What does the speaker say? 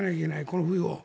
この冬を。